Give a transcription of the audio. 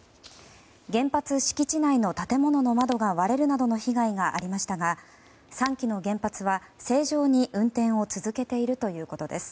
原発敷地内の建物の窓が割れるなどの被害がありましたが３基の原発は、正常に運転を続けているということです。